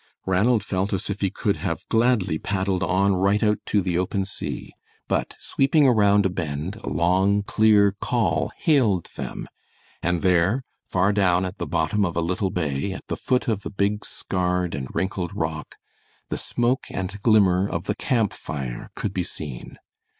Ranald felt as if he could have gladly paddled on right out to the open sea; but sweeping around a bend a long, clear call hailed them, and there, far down at the bottom of a little bay, at the foot of the big, scarred, and wrinkled rock the smoke and glimmer of the camp fire could be seen.